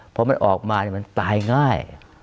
พอมันออกมามันตายง่าย